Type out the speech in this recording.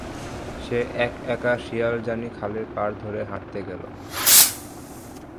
সে এক-একা শিয়ালজানি খালের পাড় ধরে হাঁটতে গেল।